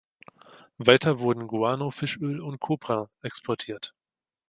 Weiter wurden Guano, Fischöl und Kopra exportiert.